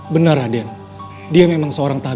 benar adien dia memang seorang tabib